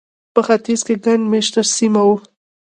په ختیځ کې ګڼ مېشته سیمه وه.